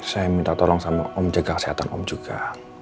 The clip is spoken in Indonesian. saya minta tolong sama om jaga kesehatan om juga